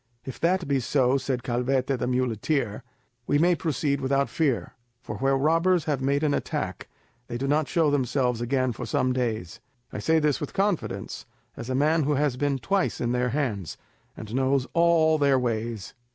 "If that be so," said Calvete, the muleteer, "we may proceed without fear, for where the robbers have made an attack, they do not show themselves again for some days. I say this with confidence, as a man who has been twice in their hands, and knows all their ways."